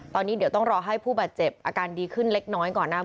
ตอนนี้เดี๋ยวต้องรอให้ผู้บาดเจ็บอาการดีขึ้นเล็กน้อยก่อนนะครับ